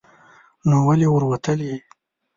نو ولې ور وتلې